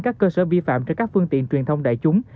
các cơ sở vi phạm trên các phương tiện truyền thông đại chúng